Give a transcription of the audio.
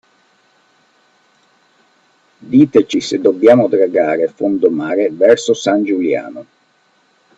Diteci se dobbiamo dragare fondo mare verso San Giuliano